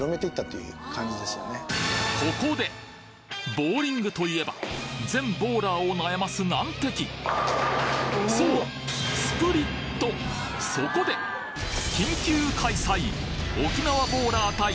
ボウリングといえば全ボウラーを悩ます難敵そうそこで緊急開催！